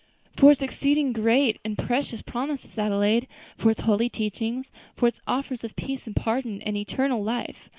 "For its exceeding great and precious promises Adelaide; for its holy teachings; for its offers of peace and pardon and eternal life.